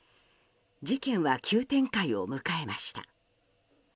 事件は急展開を迎えました。